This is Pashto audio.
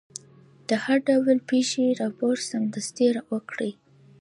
د هر ډول پېښې راپور سمدستي ورکړئ.